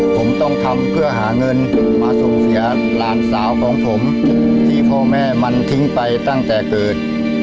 ผมต้องทำเพื่อหาเงินมาส่งเสียหลานสาวของผมที่พ่อแม่มันทิ้งไปตั้งแต่เกิด